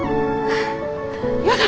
やだ！